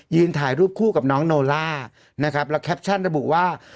ถ่ายรูปคู่กับน้องโนล่านะครับแล้วแคปชั่นระบุว่า